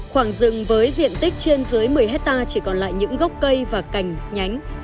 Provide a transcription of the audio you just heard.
khoảng rừng với diện tích trên dưới một mươi hectare chỉ còn lại những gốc cây và cành nhánh